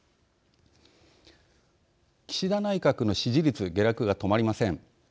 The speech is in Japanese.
岸田内閣の支持率下落が止まりません。